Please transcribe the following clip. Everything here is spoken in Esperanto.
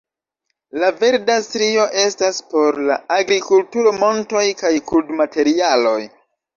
La verda strio estas por la agrikulturo, montoj kaj krudmaterialoj.